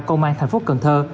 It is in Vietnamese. công an thành phố cần thơ